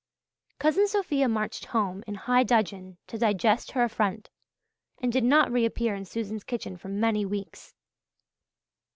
Cousin Sophia marched home in high dudgeon to digest her affront, and did not reappear in Susan's kitchen for many weeks.